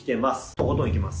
とことんいきます。